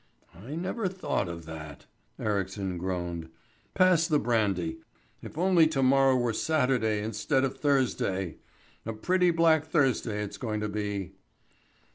"I never thought of that," Ericsson groaned. "Pass the brandy. If only to morrow were Saturday instead of Thursday! A pretty black Thursday it's going to be."